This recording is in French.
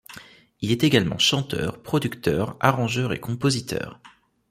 Il est également chanteur, producteur, arrangeur et compositeur.